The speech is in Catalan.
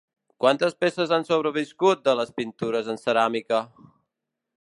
Quantes peces han sobreviscut de les pintures en ceràmica?